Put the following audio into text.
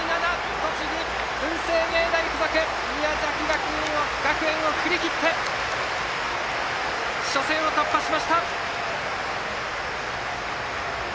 栃木・文星芸大付属が宮崎学園を振り切って初戦を突破しました！